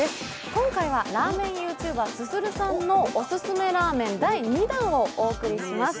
今回はラーメンＹｏｕＴｕｂｅｒ・ＳＵＳＵＲＵさんのオススメラーメン第２弾をお送りします。